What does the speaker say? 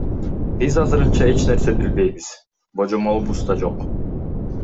Биз азырынча эч нерсе билбейбиз, божомолубуз да жок.